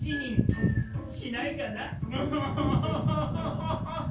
ムホホホ。